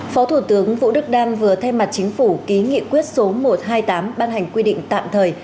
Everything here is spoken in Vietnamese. phó thủ tướng vũ đức đam vừa thay mặt chính phủ ký nghị quyết số một trăm hai mươi tám ban hành quy định tạm thời